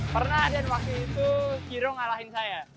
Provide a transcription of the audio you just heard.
pernah ada yang waktu itu viro ngalahin saya